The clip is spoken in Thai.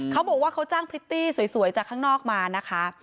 เขาบอกว่าเขาจ้างพริตตี้สวยจากข้างนอกมานะคะ